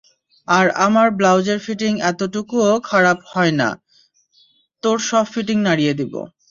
আর আমার ব্লাউজের ফিটিং একটুকুও খারাপ হয় না, তোর সব ফিটিং নাড়িয়ে দিবো।